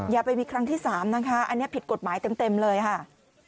อย่าไปมีครั้งที่๓นะคะอันนี้ผิดกฎหมายเต็มเลยค่ะ